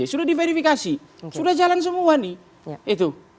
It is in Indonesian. sudah diverifikasi sudah jalan semua nih